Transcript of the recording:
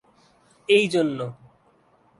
এই জন্য।